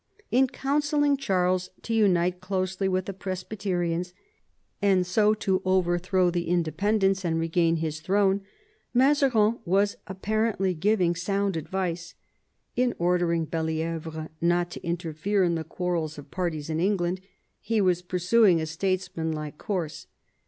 In coun selling Charles to unite closely with the Presbyterians and so to overthrow the Independents and regain his throne, Mazarin was apparently giving sound advice ; in ordering Belli^vre not to interfere in the quarrels of parties in England, he was pursuing a statesmanlike course.